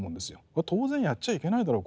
これ当然やっちゃいけないだろう